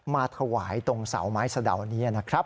มาถวายตรงเสาไม้สะดาวนี้นะครับ